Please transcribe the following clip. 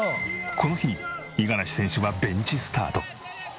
この日五十嵐選手はベンチスタート。